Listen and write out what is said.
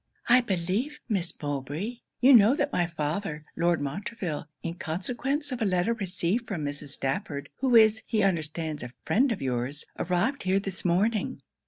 'I believe, Miss Mowbray, you know that my father, Lord Montreville, in consequence of a letter received from Mrs. Stafford, who is, he understands, a friend of your's, arrived here this morning.'